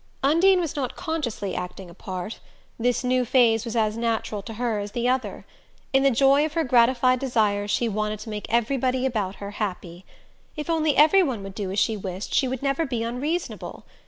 Undine was not consciously acting a part: this new phase was as natural to her as the other. In the joy of her gratified desires she wanted to make everybody about her happy. If only everyone would do as she wished she would never be unreasonable.